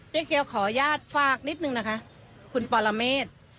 เจ๊เกียวขออนุญาตฝากนิดนึงนะคะคุณปรเมฆ